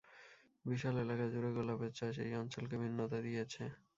বিশাল এলাকাজুড়ে গোলাপের চাষ এই অঞ্চলকে ভিন্নতা দিয়েছে।